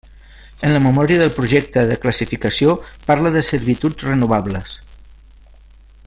En la memòria del projecte de classificació parla de servituds renovables.